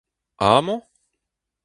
Amañ ?